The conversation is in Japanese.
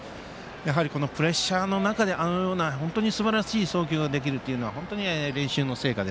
このプレッシャーの中であのような本当にすばらしい送球ができるというのは練習の成果。